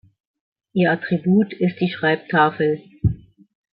Ihr Attribut ist die Schreibtafel.